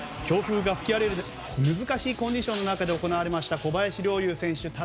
強風が吹き荒れる難しいコンディションの中で行われました、小林陵侑選手。